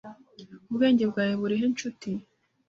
Ubwenge bwawe burihe ncuti?